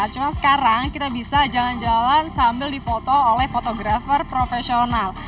cuma sekarang kita bisa jalan jalan sambil difoto oleh fotografer profesional